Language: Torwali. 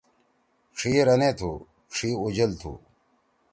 ڇھی رنے تُھو۔ ڇھی اُجل تُھو۔